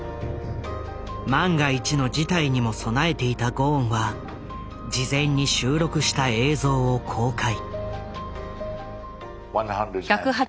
万が一の事態にも備えていたゴーンは事前に収録した映像を公開。